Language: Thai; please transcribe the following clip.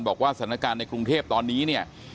บอกว่าสถานการณ์ในกรุงเทพตอนนี้เนี่ย